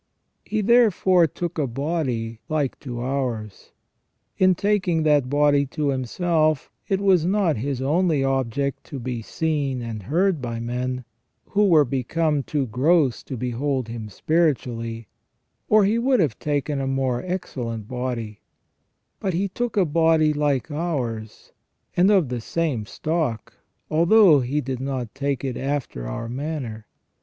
He therefore took a body like to ours : in taking that body to Himself, it was not His only object to be seen and heard by men, who were become too gross to behold Him spiritually, or He would have taken a more excellent body ; but he took a body like ours, and of the same stock, although He did not take it after our manner.